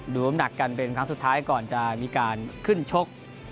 น้ำหนักกันเป็นครั้งสุดท้ายก่อนจะมีการขึ้นชก